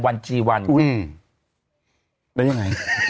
แล้วยังไง